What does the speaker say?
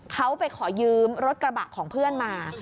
เขาไปขอยืมรถกระบะของเพื่อนมา